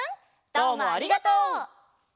どうもありがとう。